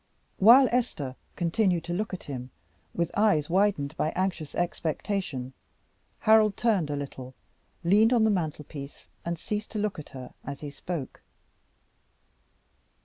While Esther continued to look at him, with eyes widened by anxious expectation, Harold turned a little, leaned on the mantelpiece, and ceased to look at her as he spoke.